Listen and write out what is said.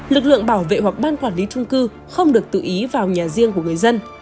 lực lượng bảo vệ hoặc ban quản lý trung cư không được tự ý vào nhà riêng của người dân